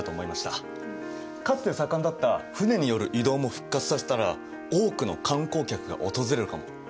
かつて盛んだった船による移動も復活させたら多くの観光客が訪れるかも。